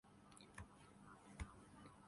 داماد رسول اور جامع قرآن تھے